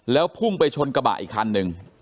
แล้วพุ่งไปชนกระบะอีกคันหนึ่ง